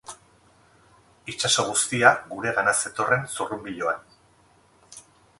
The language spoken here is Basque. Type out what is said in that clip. Itsaso guztia guregana zetorren zurrunbiloan.